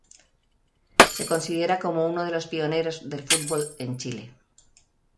Se considera como uno de los pioneros del fútbol en Chile.